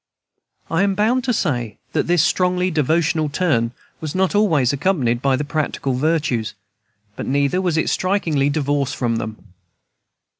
I am bound to say that this strongly devotional turn was not always accompanied by the practical virtues; but neither was it strikingly divorced from them.